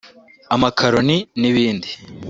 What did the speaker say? amakaloni n’ibindi”